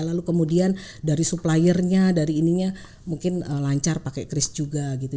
lalu kemudian dari suppliernya dari ininya mungkin lancar pakai cris juga gitu